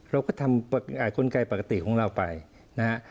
เราก็ทำกลไกปกติของเราไปนะฮะ